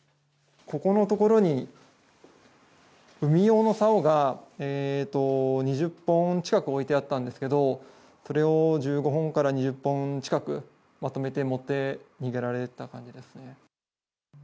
ここの所に、海用のさおが、２０本近く置いてあったんですけど、それを１５本から２０本近く、まとめて持って逃げられた感じですね。